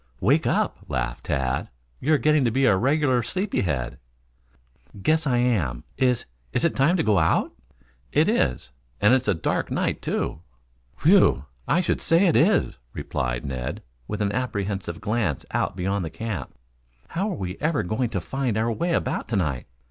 "Wake up," laughed Tad. "You are getting to be a regular sleepy head." "Guess I am. Is is it time to go out?" "It is. And it is a dark night, too." "Whew! I should say it is," replied Ned, with an apprehensive glance out beyond the camp. "How are we ever going to find our way about to night?"